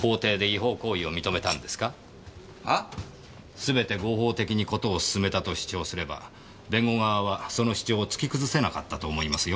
すべて合法的に事を進めたと主張すれば弁護側はその主張を突き崩せなかったと思いますよ。